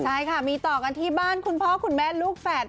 ใช่ค่ะมีต่อกันที่บ้านคุณพ่อคุณแม่ลูกแฝด